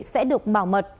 sẽ được bảo mật